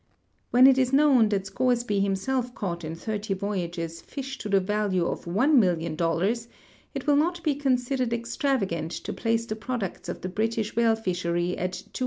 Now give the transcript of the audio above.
When it is known that Scoresl)y himself caught in thirty voyages fish to the value of $1,000,000, it will not be considered extravagant to place the products of the British whale fishery at $250,000,000.